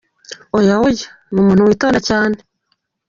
Oya Oya! Ni umuntu witonda cyane .